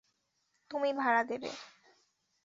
তুমি ভাড়া দেবে।